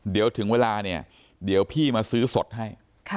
เดี๋ยวถึงเวลาเนี่ยเดี๋ยวพี่มาซื้อสดให้